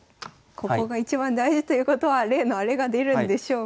ここが一番大事ということは例のあれが出るんでしょうか。